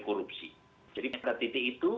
korupsi jadi pada titik itu